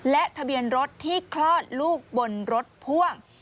และทะเบียนรถที่คลอดลูกบนรถพ่วง